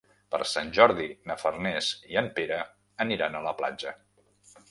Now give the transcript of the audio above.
Per Sant Jordi na Farners i en Pere aniran a la platja.